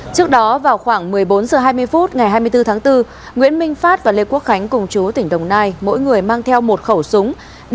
trước đó vào khoảng một mươi bốn h hai mươi phút ngày hai mươi bốn tháng bốn nguyễn minh phát và lê quốc khánh cùng chú tỉnh đồng nai mỗi người mang theo một khẩu súng